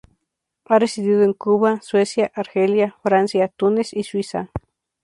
Ha residido en Cuba, Suecia, Argelia, Francia, Túnez y Suiza.